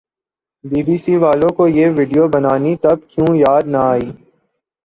be B C والوں کو یہ وڈیو بنانی تب کیوں یاد نہ آئی